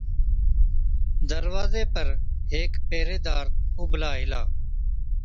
دَروازي پر هيڪ پهريدار اُڀلا هِلا،